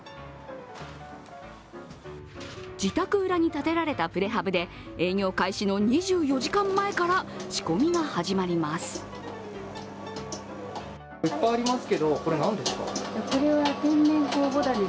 自宅裏に建てられたプレハブで営業開始の２４時間前から仕込みが始まります。